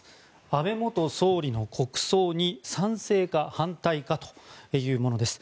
安倍元総理の国葬に賛成か反対かというものです。